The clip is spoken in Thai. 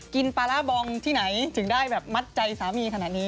กินปลาร้าบองที่ไหนถึงได้แบบมัดใจสามีขนาดนี้